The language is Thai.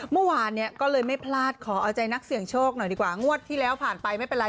เมื่อวานเนี่ยก็เลยไม่พลาดขอเอาใจนักเสี่ยงโชคหน่อยดีกว่างวดที่แล้วผ่านไปไม่เป็นไร